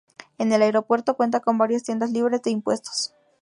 El aeropuerto cuenta con varias tiendas libres de impuestos.